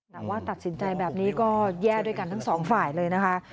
แต่ว่าตัดสินใจแบบนี้ก็แย่ด้วยกันทั้งสองฝ่ายเลยนะคะ